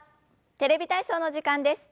「テレビ体操」の時間です。